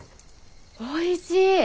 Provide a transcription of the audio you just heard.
おいしい！